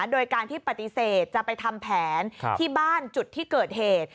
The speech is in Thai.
โดยการที่ปฏิเสธจะไปทำแผนที่บ้านจุดที่เกิดเหตุ